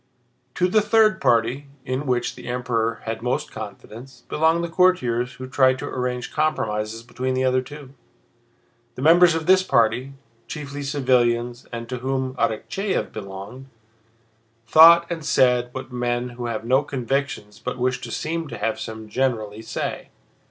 To the third party—in which the Emperor had most confidence—belonged the courtiers who tried to arrange compromises between the other two. The members of this party, chiefly civilians and to whom Arakchéev belonged, thought and said what men who have no convictions but wish to seem to have some generally say.